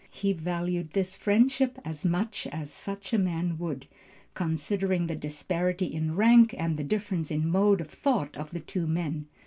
He valued this friendship as much as such a man could, considering the disparity in rank and the difference in mode of thought of the two men.